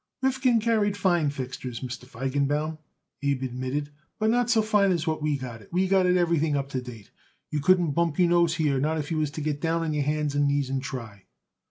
"Rifkin carried fine fixtures, Mr. Feigenbaum," Abe admitted, "but not so fine as what we got. We got it everything up to date. You couldn't bump your nose here, not if you was to get down on your hands and knees and try."